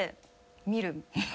見る。